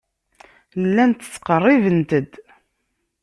Llant ttqerribent-d.